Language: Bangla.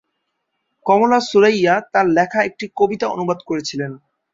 কমলা সুরাইয়া তার লেখা একটি কবিতা অনুবাদ করেছিলেন।